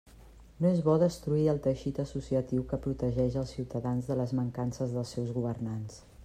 No és bo destruir el teixit associatiu que protegeix els ciutadans de les mancances dels seus governants.